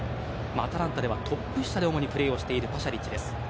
アタランタではトップ下で主にプレーをしているパシャリッチです。